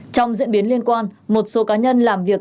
trong diễn biến liên quan một số cá nhân làm việc